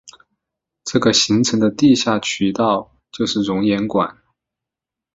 这个形成的地下渠道就是熔岩管。